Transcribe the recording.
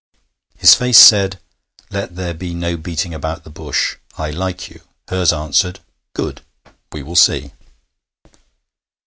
His face said: 'Let there be no beating about the bush I like you.' Hers answered: 'Good! we will see.'